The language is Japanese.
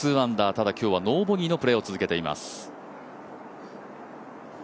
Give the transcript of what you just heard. ただ今日はノーボギーのプレーを続けています。